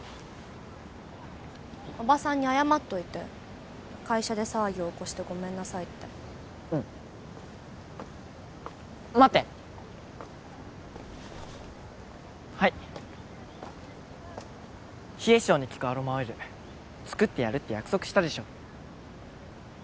おばさんに謝っといて会社で騒ぎを起こしてごめんなさいってうん待ってはい冷え性に効くアロマオイル作ってやるって約束したでしょ